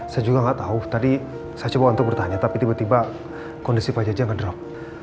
saya juga nggak tahu tadi saya coba untuk bertanya tapi tiba tiba kondisi pak jaja ngedrop